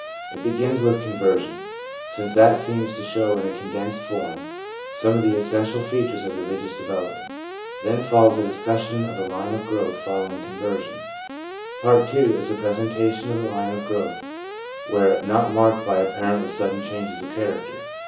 It begins with conver sion, since that seems to show in a condensed form some of the essential features of religious development. Then follows a discussion of the line of growth follow ing conversion. Part II. is a presentation of the line of growth where not marked by apparently sudden changes of character.